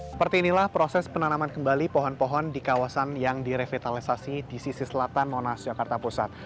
seperti inilah proses penanaman kembali pohon pohon di kawasan yang direvitalisasi di sisi selatan monas jakarta pusat